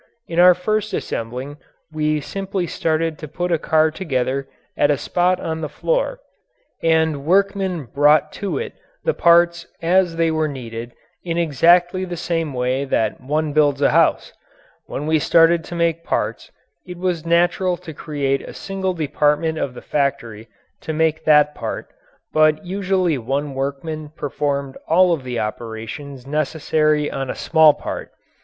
In our first assembling we simply started to put a car together at a spot on the floor and workmen brought to it the parts as they were needed in exactly the same way that one builds a house. When we started to make parts it was natural to create a single department of the factory to make that part, but usually one workman performed all of the operations necessary on a small part.